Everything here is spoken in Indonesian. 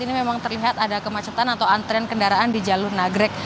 ini memang terlihat ada kemacetan atau antrean kendaraan di jalur nagrek